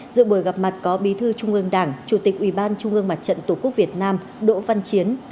giữa buổi gặp mặt có bí thư trung ương đảng chủ tịch ủy ban trung ương mặt trận tổ quốc việt nam đỗ văn chiến